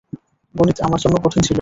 গণিত আপনার জন্য কঠিন ছিল।